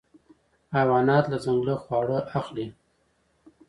حیوانات له ځنګله خواړه اخلي.